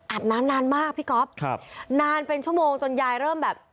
น้ำนานมากพี่ก๊อฟครับนานเป็นชั่วโมงจนยายเริ่มแบบ